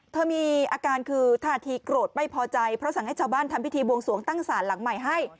มีอาการคือท่าทีโกรธไม่พอใจเพราะสั่งให้ชาวบ้านทำพิธีบวงสวงตั้งศาลหลังใหม่ให้